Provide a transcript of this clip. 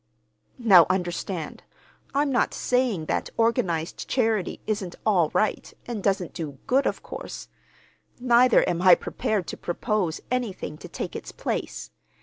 "Now, understand. I'm not saying that organized charity isn't all right, and doesn't do good, of course. Neither am I prepared to propose anything to take its place.